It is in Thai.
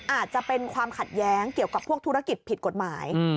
อาจจะเป็นความขัดแย้งเกี่ยวกับพวกธุรกิจผิดกฎหมาย